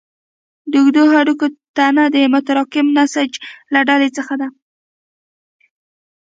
د اوږدو هډوکو تنه د متراکم نسج له ډلې څخه ده.